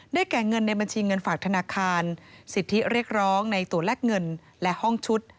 แก่เงินในบัญชีเงินฝากธนาคารสิทธิเรียกร้องในตัวแลกเงินและห้องชุด